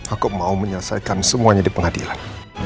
aku mau menyelesaikan semuanya di pengadilan